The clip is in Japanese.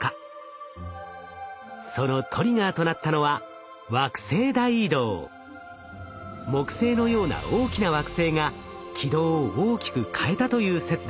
そのトリガーとなったのは木星のような大きな惑星が軌道を大きく変えたという説です。